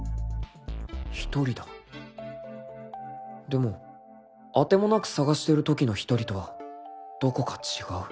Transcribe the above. でも当てもなくさがしてるときの一人とはどこか違う